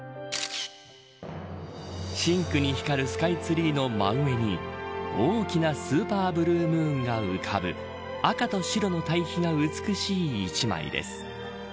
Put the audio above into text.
深紅に光るスカイツリーの真上に大きなスーパーブルームーンが浮かぶ赤と白の対比が美しい一枚です。